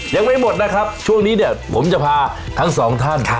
ยังไม่หมดนะครับช่วงนี้เนี่ยผมจะพาทั้งสองท่าน